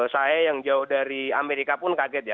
saya yang jauh dari amerika pun kaget ya